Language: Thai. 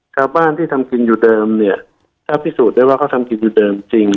ชาวบ้านที่ทำกินอยู่เดิมเนี่ยถ้าพิสูจน์ได้ว่าเขาทำกินอยู่เดิมจริง